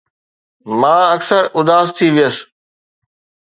مان اڪثر اداس ٿي ويس